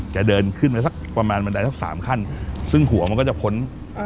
เดินขึ้นไปสักประมาณบันไดสักสามขั้นซึ่งหัวมันก็จะพ้นอ่า